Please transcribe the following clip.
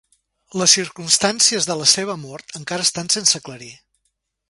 Les circumstàncies de la seva mort encara estan sense aclarir.